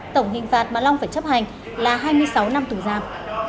tổng hình phạt mà long phải chấp hành là hai mươi sáu năm tù giam